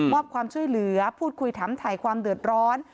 อบความช่วยเหลือพูดคุยถามถ่ายความเดือดร้อน